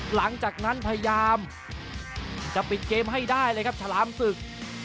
หลังจากนั้นพยายามจะปิดเกมให้ได้เลยครับฉลามศึก